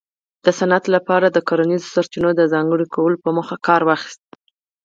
د صنعت لپاره د کرنیزو سرچینو د ځانګړي کولو په موخه کار واخیست